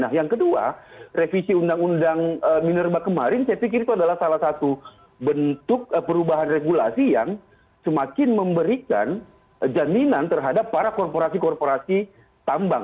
nah yang kedua revisi undang undang minerba kemarin saya pikir itu adalah salah satu bentuk perubahan regulasi yang semakin memberikan jaminan terhadap para korporasi korporasi tambang